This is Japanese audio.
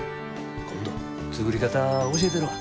今度作り方教えたるわ。